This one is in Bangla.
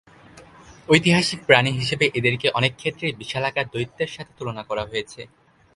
ঐতিহাসিক প্রাণী হিসেবে এদেরকে অনেক ক্ষেত্রেই বিশালাকার দৈত্যের সাথে তুলনা করা হয়েছে।